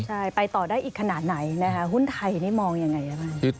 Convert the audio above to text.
ใช่ไปต่อได้อีกขนาดไหนหุ้นไทยนี่มองอย่างไร